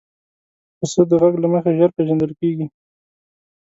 پسه د غږ له مخې ژر پېژندل کېږي.